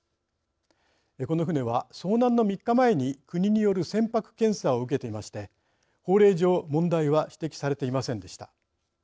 この船は遭難の３日前に国による船舶検査を受けていまして法令上問題は指摘されていませんでした。